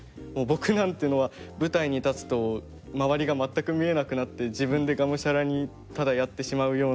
僕なんていうのは舞台に立つと周りが全く見えなくなって自分でがむしゃらにただやってしまうような人でして。